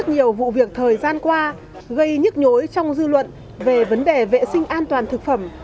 nhiều vụ việc thời gian qua gây nhức nhối trong dư luận về vấn đề vệ sinh an toàn thực phẩm